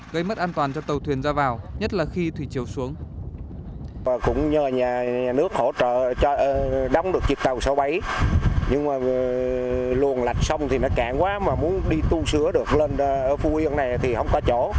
gây mất an toàn cho tàu thuyền ra vào nhất là khi thủy chiều xuống